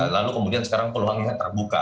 lalu kemudian sekarang peluangnya terbuka